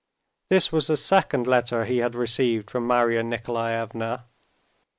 This was the second letter he had received from Marya Nikolaevna.